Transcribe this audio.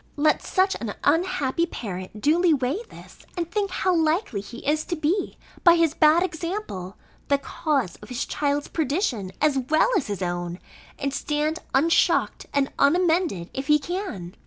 Let such an unhappy parent duly weigh this, and think how likely he is to be, by his bad example, the cause of his child's perdition, as well as his own, and stand unshocked and unamended, if he can!